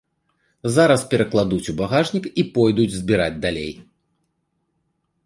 Зараз перакладуць у багажнік і пойдуць збіраць далей.